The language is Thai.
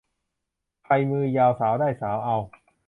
ใครมือยาวสาวได้สาวเอา